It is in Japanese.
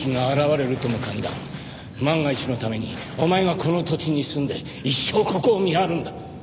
万が一のためにお前がこの土地に住んで一生ここを見張るんだ。